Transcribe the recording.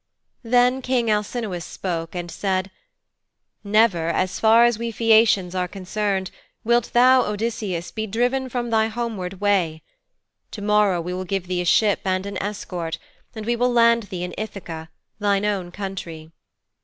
Then King Alcinous spoke and said, 'Never, as far as we Phæacians are concerned, wilt thou, Odysseus, be driven from thy homeward way. To morrow we will give thee a ship and an escort, and we will land thee in Ithaka, thine own country.'